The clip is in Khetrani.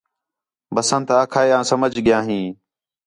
بسنت آکھا ہے آں سمھ ڳِیا ہین